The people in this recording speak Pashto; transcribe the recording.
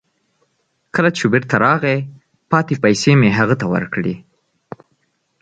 کله چې بیرته راغی، پاتې پیسې مې هغه ته ورکړې.